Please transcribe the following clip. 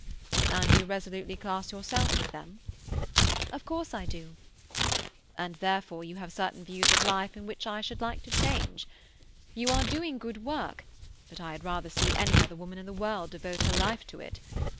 "And you resolutely class yourself with them?" "Of course I do." "And therefore you have certain views of life which I should like to change. You are doing good work, but I had rather see any other woman in the world devote her life to it.